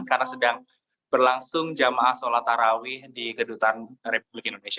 karena sedang berlangsung jamaah solat tarawih di gedutan republik indonesia